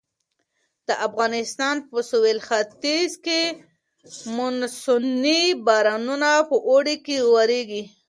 د افغانستان په سویل ختیځ کې مونسوني بارانونه په اوړي کې ورېږي.